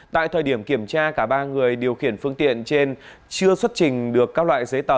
tại thời điểm kiểm tra cả ba người điều khiển phương tiện trên chưa xuất trình được các loại giấy tờ